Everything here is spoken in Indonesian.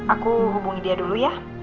aku hubungi dia dulu ya